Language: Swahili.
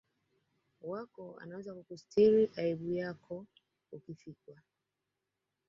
wako anaweza kukustiri aibu yako ukifikwa